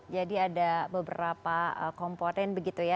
jadi ada beberapa komponen begitu ya